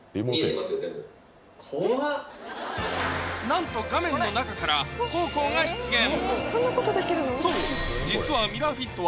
なんと画面の中から黄皓が出現！